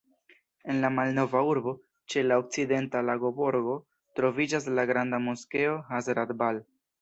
En la malnova urbo, ĉe la okcidenta lagobordo, troviĝas la granda moskeo Hazrat-Bal.